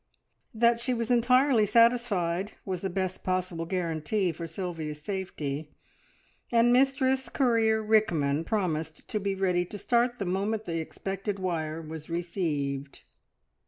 That she was entirely satisfied was the best possible guarantee for Sylvia's safety, and Mistress Courier Rickman promised to be ready to start the moment the expected wire was received.